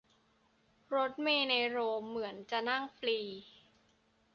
รถเมล์ในโรมเหมือนจะนั่งฟรี